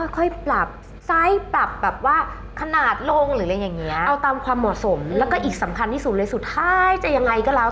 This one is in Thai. ค่อยปรับไซส์ปรับขนาดลงเอาตามความเหมาะสมและอีกสำคัญที่สุดเลยสุดท้ายจะยังไงก็แล้ว